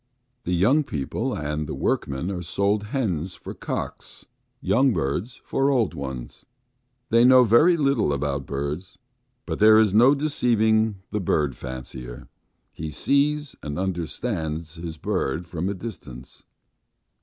The young people and the workmen are sold hens for cocks, young birds for old ones. ... They know very little about birds. But there is no deceiving the bird fancier. He sees and understands his bird from a distance.